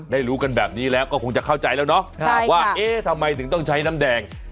รู้กันแบบนี้แล้วก็คงจะเข้าใจแล้วเนาะว่าเอ๊ะทำไมถึงต้องใช้น้ำแดง